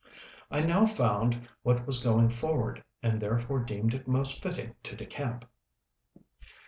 I now found what was going forward, and therefore deemed it most fitting to decamp.